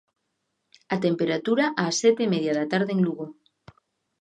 A temperatura ás sete e media da tarde en Lugo.